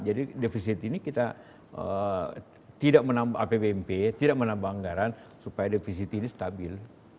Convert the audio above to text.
jadi defisit ini kita tidak menambah apbnp tidak menambah anggaran supaya defisit ini stabil